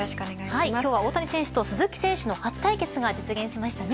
今日は大谷選手と鈴木選手の初対決が実現しましたね。